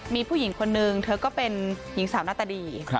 มีผู้หญิงคนนึงเธอก็เป็นหญิงสาวหน้าตาดี